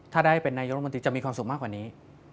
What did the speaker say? ถ้าได้เป็นนายกรมนตรีจะมีความสุขมากกว่านี้